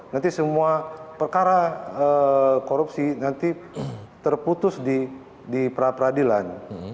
nanti semua perkara korupsi nanti terputus di pra peradilan